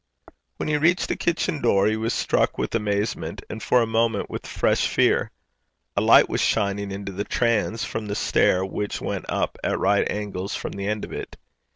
When he reached the kitchen door, he was struck with amazement and for a moment with fresh fear. A light was shining into the transe from the stair which went up at right angles from the end of it.